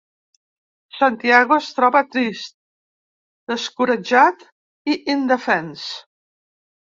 Santiago es troba trist, descoratjat i indefens.